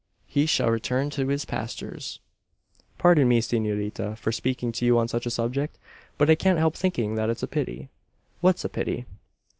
He shall return to his Pastures." "Pardon me, senorita, for speaking to you on such a subject; but I can't help thinking that it's a pity." "What's a pity?"